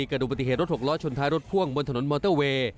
เกิดดูปฏิเหตุรถหกล้อชนท้ายรถพ่วงบนถนนมอเตอร์เวย์